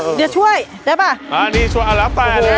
เออเนี่ยช่วยได้ป่ะอ่านี่ช่วยเอาแล้วแปลกเลย